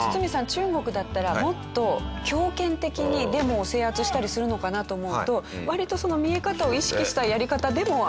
中国だったらもっと強権的にデモを制圧したりするのかなと思うと割と見え方を意識したやり方でもありますよね。